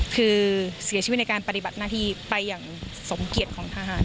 คือเสียชีวิตในการปฏิบัติหน้าที่ไปอย่างสมเกียจของทหาร